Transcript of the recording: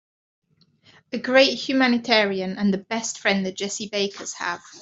A great humanitarian and the best friend the Jessie Bakers have.